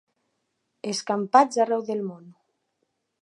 Escampats arreu del món.